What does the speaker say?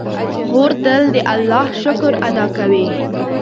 خور تل د الله شکر ادا کوي.